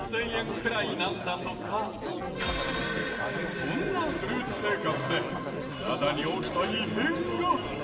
そんなフルーツ生活で体に起きた異変が。